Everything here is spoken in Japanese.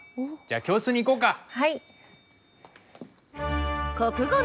じゃあ教室に行こうか？